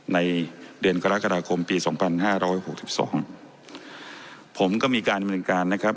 ในเดือนกรกฎาคมปี๒๕๖๒ผมก็มีการเนินการนะครับ